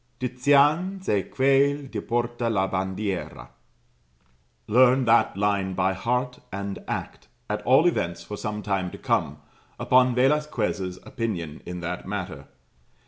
'" "Tizian ze quel die porta la bandiera" Learn that line by heart and act, at all events for some time to come, upon Velasquez' opinion in that matter.